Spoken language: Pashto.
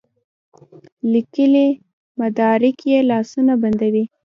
لیکلي مدارک یې لاسونه بندوي.